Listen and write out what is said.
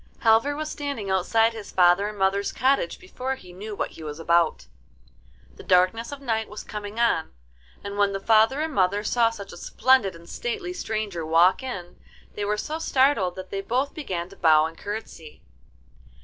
Halvor was standing outside his father and mother's cottage before he knew what he was about. The darkness of night was coming on, and when the father and mother saw such a splendid and stately stranger walk in, they were so startled that they both began to bow and curtsey.